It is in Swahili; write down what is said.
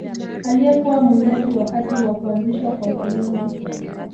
Aliyekuwa mwindaji wakati wa kuanzishwa kwa ukoloni